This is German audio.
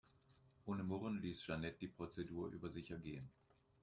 Ohne Murren ließ Jeanette die Prozedur über sich ergehen.